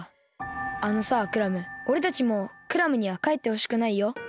あのさクラムおれたちもクラムにはかえってほしくないよ。